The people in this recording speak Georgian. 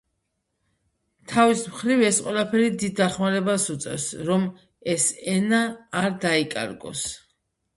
თავის მხრივ ეს ყველაფერი დიდ დახმარებას უწევს, რომ ეს ენა არ დაიკარგოს.